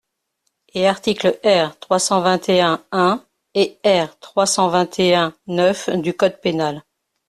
Et articles R. trois cent vingt-et-un un et R. trois cent vingt-et-un neuf du code pénal.